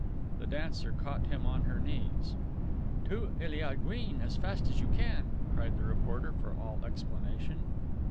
The dancer caught him on her knees. "To Eliaguine, fast as you can," cried the reporter for all explanation.